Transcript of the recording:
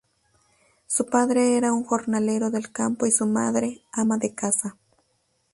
Su padre era un jornalero del campo y su madre, ama de casa.